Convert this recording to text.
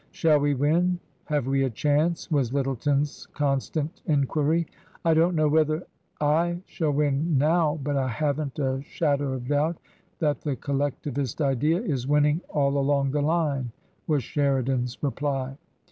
" Shall we win ? Have we a chance ?" was Lyttleton's constant enquiry. " I don't know whether /shall win now; but I haven't a shadow of doubt that the Collectivist Idea is winning all along the line," was Sheridan's reply.